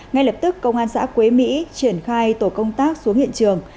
ngay lập tức công an xã quế mỹ triển khai tổ công tác xuống hiện trường